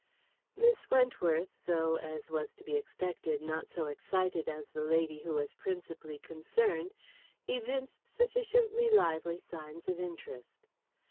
Miss Wentworth, though, as was to be expected, not so excited as the lady who was principally concerned, evinced sufficiently lively signs of interest.